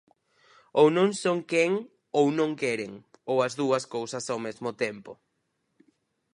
Ou non son quen ou non queren, ou as dúas cousas ao mesmo tempo.